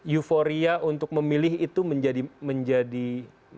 euphoria untuk memilih itu menjadi penting